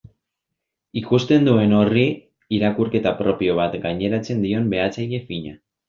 Ikusten duen horri irakurketa propio bat gaineratzen dion behatzaile fina.